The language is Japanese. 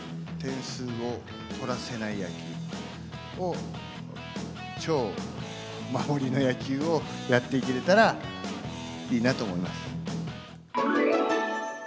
点数を取らせない野球を、超守りの野球をやっていけれたらいいなと思います。